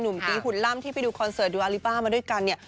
ตีหุ่นล่ำที่ไปดูคอนเสิร์ตดูอาลิบ้ามาด้วยกันเนี่ย